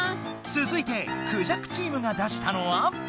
つづいてクジャクチームが出したのは。